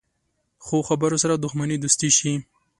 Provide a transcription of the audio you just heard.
ښو خبرو سره دښمني دوستي شي.